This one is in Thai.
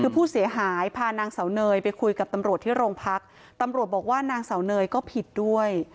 คือผู้เสียหายพานางเสาเนยไปคุยกับตำรวจที่โรงพักตำรวจบอกว่านางเสาเนยก็ผิดด้วย